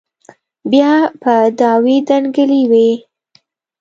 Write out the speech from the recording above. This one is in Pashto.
بيا به دعوې دنگلې وې.